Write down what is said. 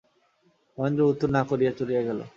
মহেন্দ্র উত্তর না করিয়া চলিয়া গেল।